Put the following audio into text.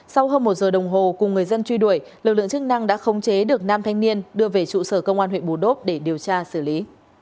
sau hơn một giờ đồng hồ cùng người dân truy đuổi lực lượng chức năng đã khống chế được nam thanh niên đưa về trụ sở công an huyện bù đốp để điều tra xử lý